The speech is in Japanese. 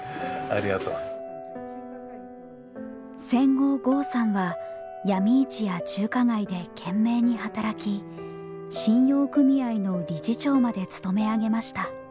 戦後呉さんは闇市や中華街で懸命に働き信用組合の理事長まで勤め上げました。